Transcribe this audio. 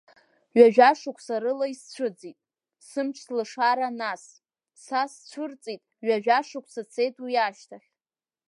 Ҩажәа шықәса рыла исцәыӡит, сымч-сылшала нас, са сцәырҵит, ҩажәа шықәса цеит уи ашьҭахь…